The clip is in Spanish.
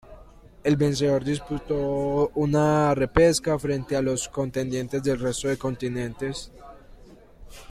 El vencedor disputó una repesca frente a los contendientes del resto de continentes.